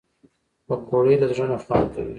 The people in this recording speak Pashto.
پکورې له زړه نه خوند کوي